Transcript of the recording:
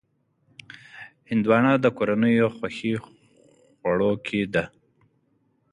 هندوانه د کورنیو خوښې خوړو کې ده.